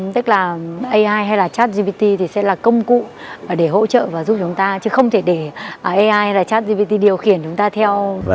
tức là ai hay là chat gpt thì sẽ là công cụ để hỗ trợ và giúp chúng ta chứ không thể để ai hay là chat gpt điều khiển chúng ta theo